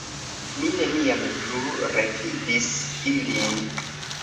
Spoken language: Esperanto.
Mi neniam plu revidis ilin.